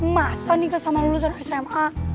masa nih kesamaan lulusan sma